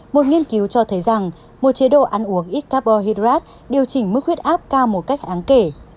một nghiên cứu cho thấy rằng một chế độ ăn uống ít carbohydrates điều chỉnh mức huyết áp cao một cách áng kể